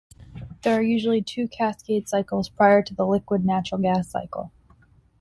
There are usually two cascade cycles prior to the liquid natural gas cycle.